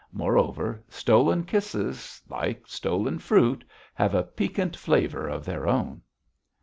Moreover, stolen kisses, like stolen fruit, have a piquant flavour of their own.